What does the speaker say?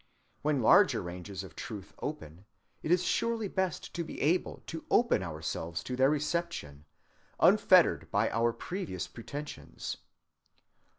When larger ranges of truth open, it is surely best to be able to open ourselves to their reception, unfettered by our previous pretensions.